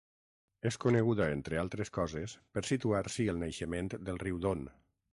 És coneguda entre altres coses per situar-s'hi el naixement del riu Don.